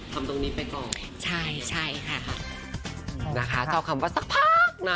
ทำตรงนี้ไปก่อนใช่ใช่ค่ะนะคะชอบคำว่าสักพักนะ